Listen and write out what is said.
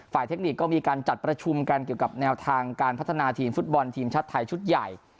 เทคนิคก็มีการจัดประชุมกันเกี่ยวกับแนวทางการพัฒนาทีมฟุตบอลทีมชาติไทยชุดใหญ่